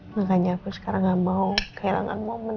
makanya aku sekarang gak mau kehilangan momen